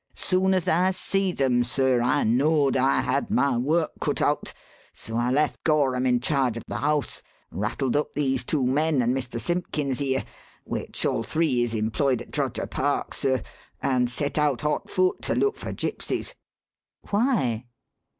Soon as I see them, sir, I knowed I had my work cut out, so I left Gorham in charge of the house, rattled up these two men and Mr. Simpkins, here which all three is employed at Droger Park, sir and set out hot foot to look for gypsies." "Why?"